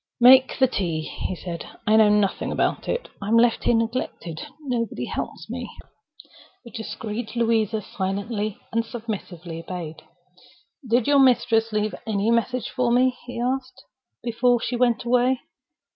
"Make the tea," he said. "I know nothing about it. I'm left here neglected. Nobody helps me." The discreet Louisa silently and submissively obeyed. "Did your mistress leave any message for me," he asked, "before she went away?"